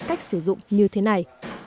cách sử dụng như thế này